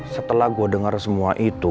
setelah gue dengar semua itu